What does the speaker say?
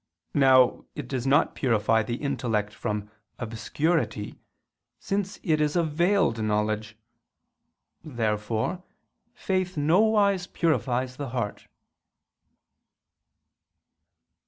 Now it does not purify the intellect from obscurity, since it is a veiled knowledge. Therefore faith nowise purifies the heart.